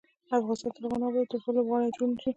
افغانستان تر هغو نه ابادیږي، ترڅو لوبغالي جوړ نشي.